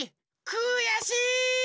くやしい！